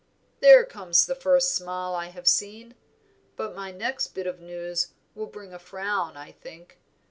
There comes the first smile I have seen; but my next bit of news will bring a frown, I think.